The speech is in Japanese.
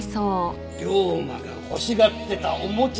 遼馬が欲しがってたおもちゃや。